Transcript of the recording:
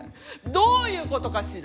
どういうことかしら。